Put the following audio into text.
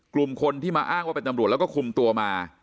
กลุ่มคนที่มาอ้างว่าเป็นตำรวจแล้วก็คุมตัวมา